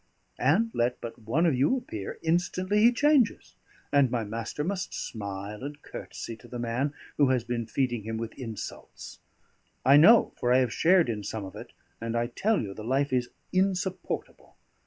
And let but one of you appear, instantly he changes; and my master must smile and courtesy to the man who has been feeding him with insults; I know, for I have shared in some of it, and I tell you the life is insupportable.